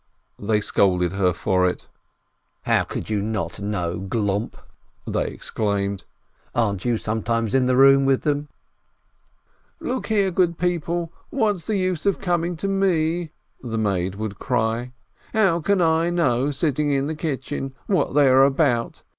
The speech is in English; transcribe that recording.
They scolded her for it. "How can you not know, glomp?" they exclaimed. "Aren't you sometimes in the room with them ?" "Look here, good people, what's the use of coming to me?" the maid would cry. "How can I know, sitting in the kitchen, what they are about?